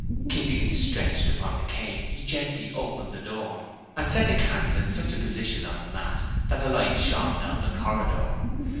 Keeping it stretched upon the cane he gently opened the door, and set the candle in such a position on the mat that the light shone down the corridor.